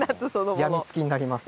病みつきになりますよ。